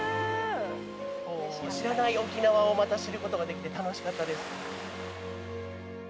知らない沖縄をまた知ることができて楽しかったです。